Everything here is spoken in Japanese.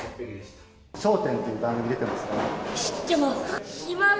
笑点という番組に出てますが。